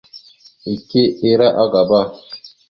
Ike ira agaba.